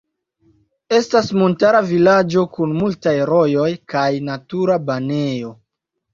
Estas montara vilaĝo kun multaj rojoj kaj natura banejo.